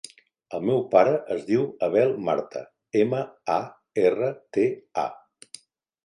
El meu pare es diu Abel Marta: ema, a, erra, te, a.